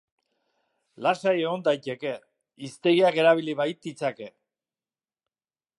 Lasai egon daiteke, hiztegiak erabili baititzake.